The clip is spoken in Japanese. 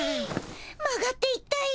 曲がっていったよ。